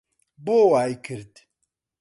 بۆ وای کرد؟